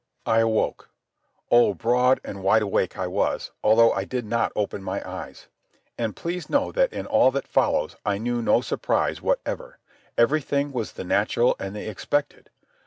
I awoke. Oh, broad and wide awake I was, although I did not open my eyes. And please know that in all that follows I knew no surprise whatever. Everything was the natural and the expected.